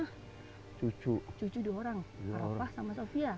hai cucu cucu dua orang berapa sama sofia